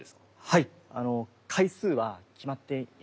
はい。